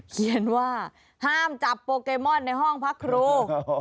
เขียนว่าห้ามจับโปเกมอนในห้องพักครู